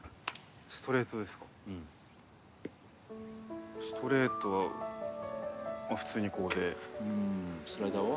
ストレートですかうんストレートはまあ普通にこうでうんスライダーは？